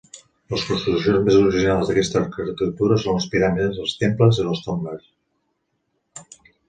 Les construccions més originals d'aquesta arquitectura són les piràmides, els temples i les tombes.